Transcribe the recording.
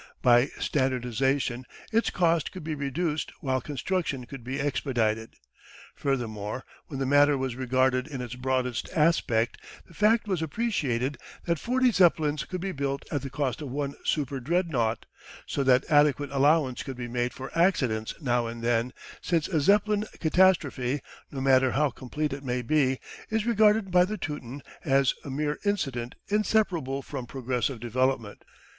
By standardisation its cost could be reduced while construction could be expedited. Furthermore, when the matter was regarded in its broadest aspect, the fact was appreciated that forty Zeppelins could be built at the cost of one super Dreadnought, so that adequate allowance could be made for accidents now and then, since a Zeppelin catastrophe, no matter how complete it may be, is regarded by the Teuton as a mere incident inseparable from progressive development.